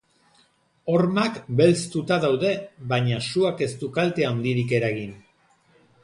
Hormak belztuta daude, baina suak ez du kalte handirik eragin.